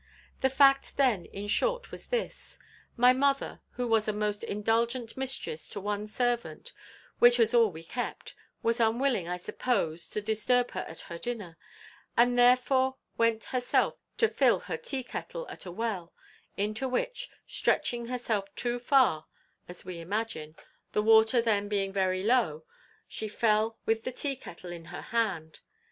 The fact then in short was this: my mother, who was a most indulgent mistress to one servant, which was all we kept, was unwilling, I suppose, to disturb her at her dinner, and therefore went herself to fill her tea kettle at a well, into which, stretching herself too far, as we imagine, the water then being very low, she fell with the tea kettle in her hand.